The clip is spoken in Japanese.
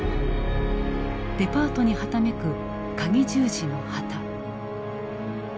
デパートにはためくカギ十字の旗。